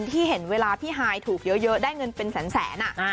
ที่เห็นเวลาพี่ฮายถูกเยอะได้เงินเป็นแสน